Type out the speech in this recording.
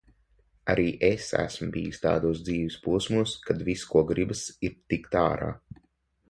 Arī es esmu bijusi tādos dzīves posmos, kad viss, ko gribas, ir tikt ārā.